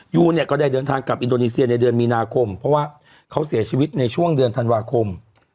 ยูเนี่ยก็ได้เดินทางกลับอินโดนีเซียในเดือนมีนาคมเพราะว่าเขาเสียชีวิตในช่วงเดือนธันวาคม